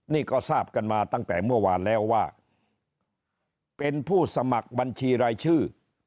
นี่ก็ทราบกันมาตั้งแต่เมื่อวานแล้วว่าเป็นผู้สมัครบัญชีรายชื่อ